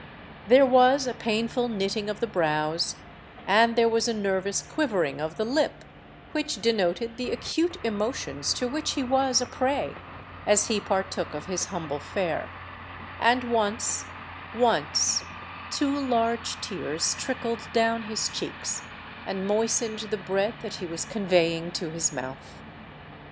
There was a painful knitting of the brows, and there was a nervous quivering of the lip, which denoted the acute emotions to which he was a prey, as he partook of his humble fare; and once—once, two large tears trickled down his cheeks, and moistened the bread that he was conveying to his mouth.